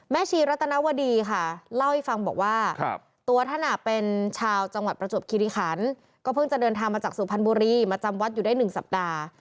ชีรัตนวดีค่ะเล่าให้ฟังบอกว่าตัวท่านเป็นชาวจังหวัดประจวบคิริขันก็เพิ่งจะเดินทางมาจากสุพรรณบุรีมาจำวัดอยู่ได้๑สัปดาห์